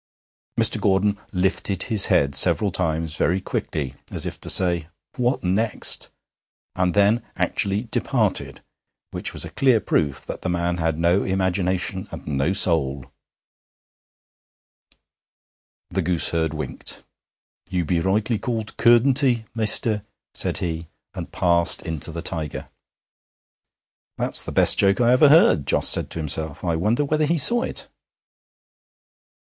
Mr. Gordon lifted his head several times very quickly, as if to say, 'What next?' and then actually departed, which was a clear proof that the man had no imagination and no soul. The gooseherd winked. 'You be rightly called "Curtenty," mester,' said he, and passed into the Tiger. 'That's the best joke I ever heard,' Jos said to himself 'I wonder whether he saw it.'